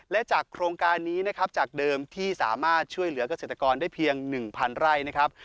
และจากโครงการนี้นะครับจากเดิมที่สามารถช่วยเหลือกเกษตรกรได้เพียง๑๐๐ไร่นะครับ